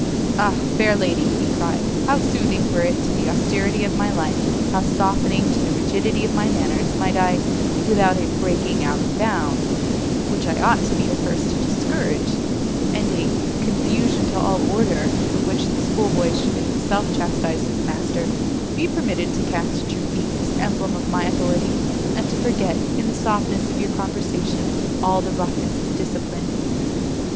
"Ah, fair lady," he cried, "how soothing were it to the austerity of my life, how softening to the rigidity of my manners, might I without a breaking out of bounds, which I ought to be the first to discourage, and a "confusion to all order" for which the school boy should himself chastise his master be permitted to cast at your feet this emblem of my authority! and to forget, in the softness of your conversation, all the roughness of discipline!"